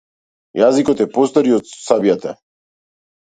Јaзикoт е пoоcтap и oд caбjaтa.